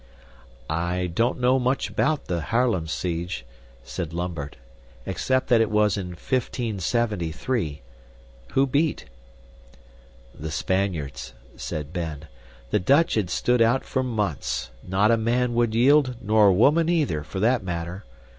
"I don't know much about the Haarlem siege," said Lambert, "except that it was in 1573. Who beat?" "The Spaniards," said Ben. "The Dutch had stood out for months. Not a man would yield nor a woman, either, for that matter.